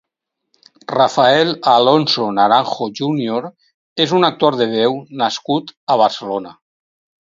Rafael Alonso Naranjo júnior és un actor de veu nascut a Barcelona.